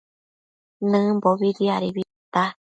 Nëmbobi diadebi tita